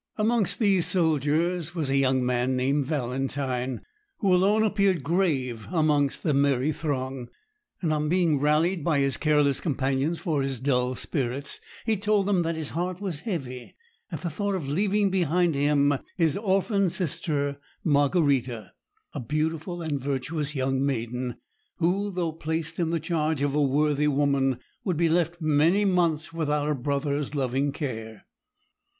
Amongst these soldiers was a young man named Valentine, who alone appeared grave amongst the merry throng; and on being rallied by his careless companions for his dull spirits, he told them that his heart was heavy at the thought of leaving behind him his orphan sister, Margarita, a beautiful and virtuous young maiden, who, though placed in the charge of a worthy woman, would be left many months without a brother's loving care.